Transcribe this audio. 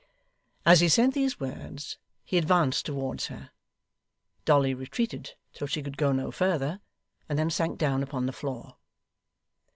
As he said these words he advanced towards her. Dolly retreated till she could go no farther, and then sank down upon the floor.